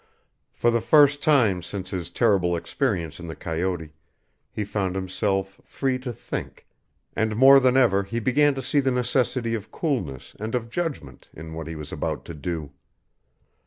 For the first time since his terrible experience in the coyote he found himself free to think, and more than ever he began to see the necessity of coolness and of judgment in what he was about to do.